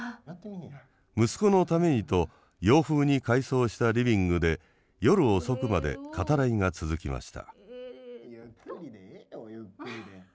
息子のためにと洋風に改装したリビングで夜遅くまで語らいが続きました。